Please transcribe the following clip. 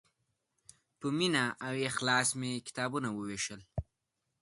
په مینه او اخلاص مې کتابونه ووېشل.